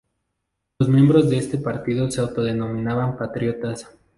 Los miembros de este partido se autodenominaban patriotas.